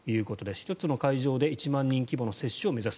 １つの会場で１万人規模の接種を目指す。